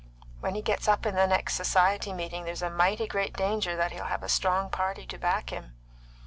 When he gets up in the next Society meeting there's a mighty great danger that he'll have a strong party to back him."